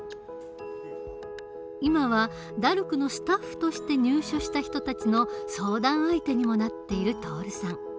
今はＤＡＲＣのスタッフとして入所した人たちの相談相手にもなっている徹さん。